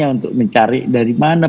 untuk mencari dari mana